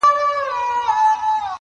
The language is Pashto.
لا تیاري دي مړې ډېوې نه دي روښانه,